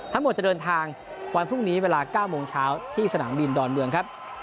จะเดินทางวันพรุ่งนี้เวลา๙โมงเช้าที่สนามบินดอนเมืองครับ